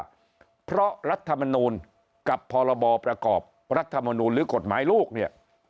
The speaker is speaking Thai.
เพราะรัฐมนูลกับพรบประกอบรัฐมนูลหรือกฎหมายลูกเนี่ย